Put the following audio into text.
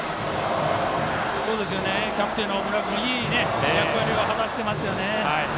キャプテンの大村君いい役割を果たしてますよね。